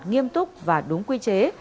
nghiêm túc và đúng quy chế